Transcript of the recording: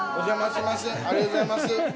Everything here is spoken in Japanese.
ありがとうございます。